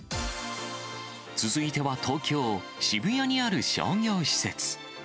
続いては東京・渋谷にある商業施設。